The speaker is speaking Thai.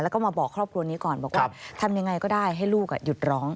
แล้วก็มาบอกครอบครัวนี้ก่อนบอกว่าทำยังไงก็ได้ให้ลูกหยุดร้อง